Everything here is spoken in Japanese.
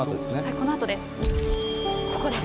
このあとです。